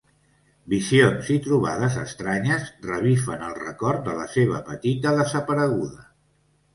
Visions i trobades estranyes revifen el record de la seva petita desapareguda.